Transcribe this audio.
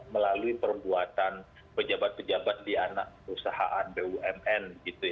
melalui perbuatan pejabat pejabat di anak perusahaan bumn